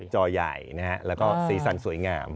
จอใหญ่และสีสันสวยงาม